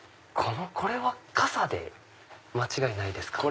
これは傘で間違いないですか？